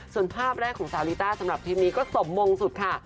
ส่วนภาพแรกของสาวลิต้าสำหรับคลิปนี้ก็สมมงสุดค่ะ